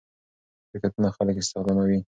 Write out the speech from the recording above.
شرکتونه خلک استخداموي.